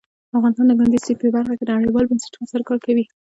افغانستان د کندز سیند په برخه کې نړیوالو بنسټونو سره کار کوي.